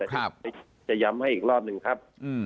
จะย้ำให้อีกรอบหนึ่งครับ